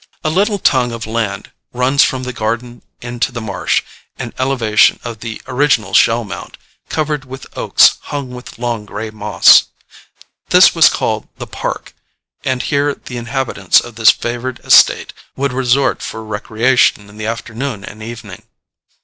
A little tongue of land runs from the garden into the marsh, an elevation of the original shell mound, covered with oaks hung with long gray moss. This was called "The Park," and here the inhabitants of this favored estate would resort for recreation in the afternoon and evening.